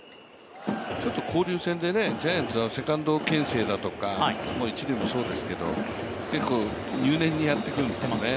交流戦でジャイアンツはセカンドけん制だとか、一塁もそうですけど、結構、入念にやってくるんですよね。